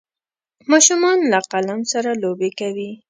ماشومان له قلم سره لوبې کوي.